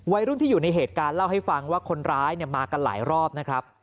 วัยรุ่นที่อยู่ในเหตุการณ์เล่าให้ฟังว่าคนร้ายมากันหลายรอบนะครับ